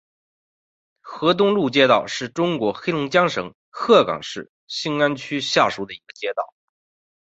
河东路街道是中国黑龙江省鹤岗市兴安区下辖的一个街道。